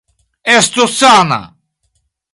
Estu sana!